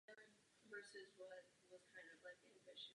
Vyrůstal v Brně.